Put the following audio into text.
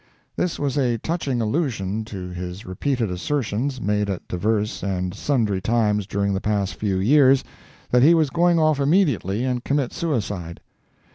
This was a touching allusion to his repeated assertions, made at divers and sundry times during the past few years, that he was going off immediately and commit suicide.